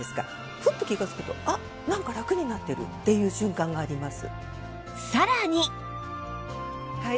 ふっと気がつくとあっなんかラクになってるっていう瞬間があります。